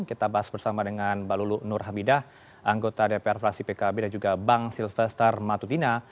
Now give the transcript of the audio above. kita bahas bersama dengan balulu nur hamidah anggota dpr frasi pkb dan juga bang silvestar matutina